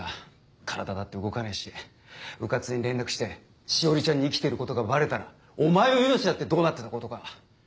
体だって動かねえしうかつに連絡して詩織ちゃんに生きてることがバレたらお前の命だってどうなってたことか。